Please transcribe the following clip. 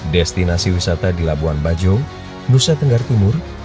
destinasi wisata di labuan bajo nusa tenggara timur